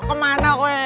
kemana gue eh